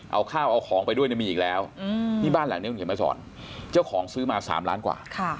เอาข้าวเอาของไปด้วยมีอีกแล้วที่บ้านหลังนี้คุณเขียนมาสอนเจ้าของซื้อมา๓ล้านกว่า